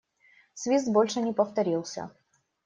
Свист больше не повторился.